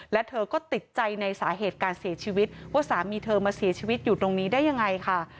และเธอก็ติดใจในสาเหตุการเสียชีวิตว่าสามีเธอมาเสียชีวิตอยู่ตรงนี้ได้ยังไงค่ะ